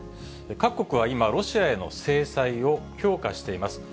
各国は今、ロシアへの制裁を強化しています。